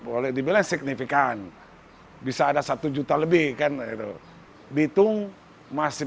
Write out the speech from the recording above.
boleh dibilang signifikan bisa ada satu juta lebih kan itu bitung masih